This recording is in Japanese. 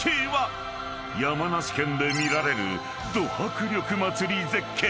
［山梨県で見られるド迫力祭り絶景］